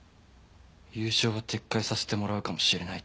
優勝は撤回させてもらうかもしれないって。